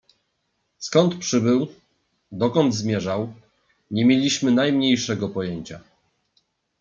"Skąd przybył, dokąd zmierzał, nie mieliśmy najmniejszego pojęcia."